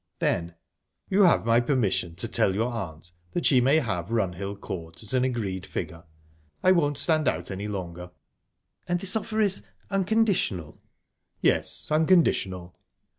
Then: "You have my permission to tell your aunt that she may have Runhill Court at an agreed figure. I won't stand out any longer." "And this offer is...unconditional?" "Yes, unconditional."